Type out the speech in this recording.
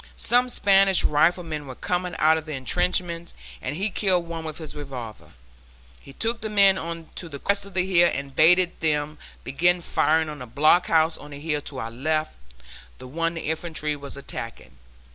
Some Spanish riflemen were coming out of the intrenchments and he killed one with his revolver. He took the men on to the crest of the hill and bade them begin firing on the blockhouse on the hill to our left, the one the infantry were attacking.